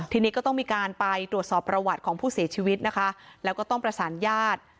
ทีนี้ก็ต้องมีการไปตรวจสอบประวัติของผู้เสียชีวิตนะคะแล้วก็ต้องประสานญาติ